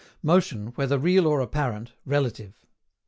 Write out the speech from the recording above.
MOTION, WHETHER REAL OR APPARENT, RELATIVE.